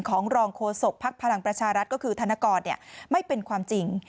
ของรองโฆษกภักดิ์พลังประชารัฐก็คือธนกรไม่เป็นความจริง